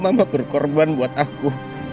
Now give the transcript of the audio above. mama berkorban buat aku